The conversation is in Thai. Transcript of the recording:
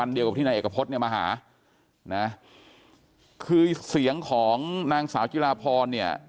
เดียวกับที่นายเอกพฤษเนี่ยมาหานะคือเสียงของนางสาวจิลาพรเนี่ย